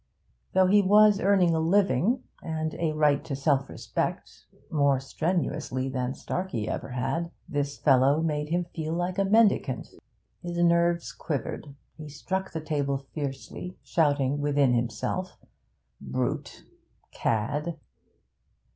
Though he was earning a living, and a right to self respect, more strenuously than Starkey ever had, this fellow made him feel like a mendicant. His nerves quivered, he struck the table fiercely, shouting within himself, 'Brute! Cad!'